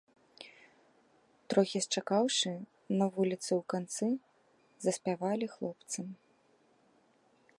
Трохі счакаўшы, на вуліцы ў канцы заспявалі хлопцы.